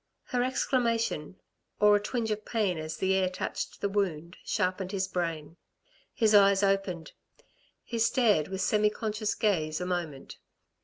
Her exclamation, or a twinge of pain as the air touched the wound, sharpened his brain. His eyes opened. He stared with semi conscious gaze a moment.